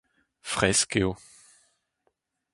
fresk eo